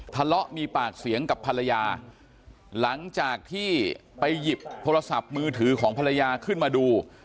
ทะเลาะมีปากเสียงกับภรรยาหลังจากที่ไปหยิบโทรศัพท์มือถือของภรรยาขึ้นมาดู